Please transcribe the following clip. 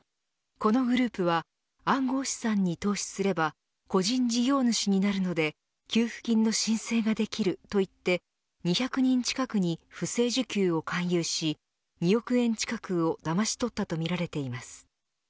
このグループは暗号資産に投資すれば個人事業主になるので給付金の申請ができると言って２００人近くに不正受給を勧誘し２億円近くをだまし取ったとみられています。